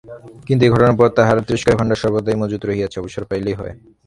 কিন্তু এই ঘটনার পর তাঁহার তিরস্কারের ভাণ্ডার সর্বদাই মজুত রহিয়াছে, অবসর পাইলেই হয়।